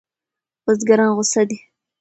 بزګران غوسه دي.